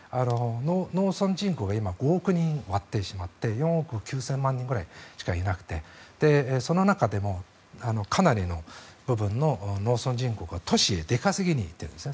農村人口が今、５億人を割ってしまって４億９０００万人ぐらいしかいなくてその中でもかなりの部分の農村人口が都市へ出稼ぎに行っているんです。